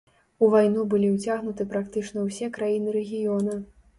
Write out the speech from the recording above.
У вайну былі ўцягнуты практычна ўсе краіны рэгіёна.